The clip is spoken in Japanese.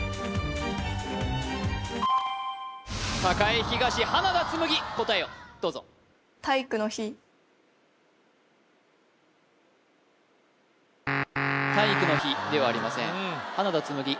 栄東花田つむぎ答えをどうぞ体育の日ではありません花田つむぎ